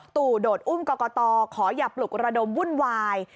ตู่โดดอุ้มกรกตขออย่าปลุกระดมวุ่นวาย